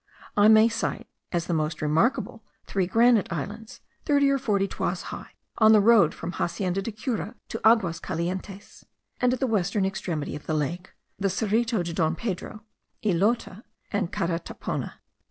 I may cite as the most remarkable three granite islands, thirty or forty toises high, on the road from the Hacienda de Cura to Aguas Calientes; and at the western extremity of the lake, the Serrito de Don Pedro, Islote, and Caratapona.